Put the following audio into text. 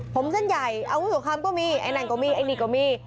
ผมเส้นใหญ่อาวุธสงครามก็มีไอ้นั่นก็มีไอ้นี่ก็มี